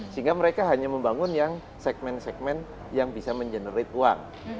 sehingga mereka hanya membangun yang segmen segmen yang bisa mengenerate uang